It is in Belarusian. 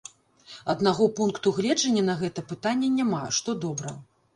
Аднаго пункту гледжання на гэта пытанне няма, што добра.